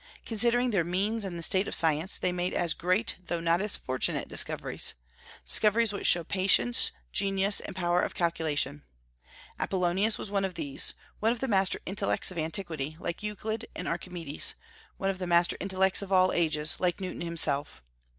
Considering their means and the state of science, they made as great though not as fortunate discoveries, discoveries which show patience, genius, and power of calculation. Apollonius was one of these, one of the master intellects of antiquity, like Euclid and Archimedes; one of the master intellects of all ages, like Newton himself.